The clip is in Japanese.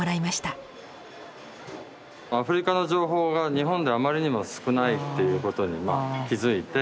アフリカの情報が日本ではあまりにも少ないということに気付いて